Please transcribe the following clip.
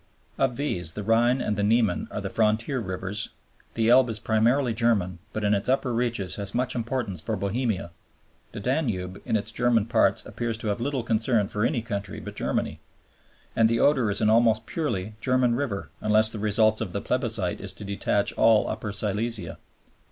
Of these, the Rhine and the Niemen are frontier rivers, the Elbe is primarily German but in its upper reaches has much importance for Bohemia, the Danube in its German parts appears to have little concern for any country but Germany, and the Oder is an almost purely German river unless the result of the plebiscite is to detach all Upper Silesia.